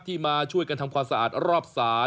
มาช่วยกันทำความสะอาดรอบ๓